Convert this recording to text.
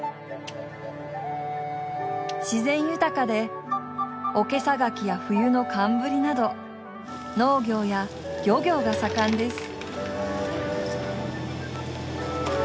自然豊かでおけさ柿や冬の寒ブリなど農業や漁業が盛んです。